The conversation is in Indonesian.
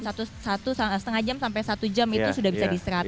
satu setengah jam sampai satu jam itu sudah bisa diserap